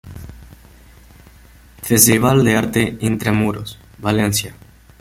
Festival de arte Intramuros, Valencia.